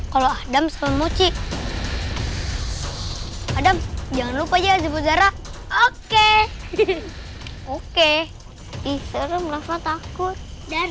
kalau adam sama mochi adam jangan lupa ya sebut zara oke oke isi rem rafa takut dan